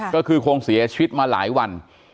ก็คือคงเสียชีวิตมาหลายวัน